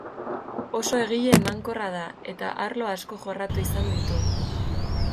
Oso egile emankorra da, eta arlo asko jorratu izan ditu.